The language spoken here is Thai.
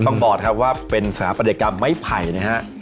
ต้องบอกครับว่าเป็นสหประเด็กกรรมไม้ไผ่นะครับ